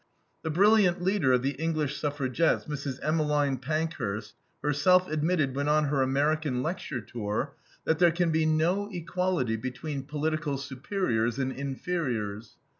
The brilliant leader of the English suffragettes, Mrs. Emmeline Pankhurst, herself admitted, when on her American lecture tour, that there can be no equality between political superiors and inferiors.